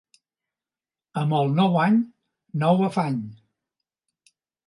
Amb el nou any, un nou afany.